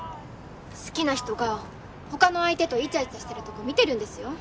好きな人が他の相手とイチャイチャしてるとこ見てるんですよ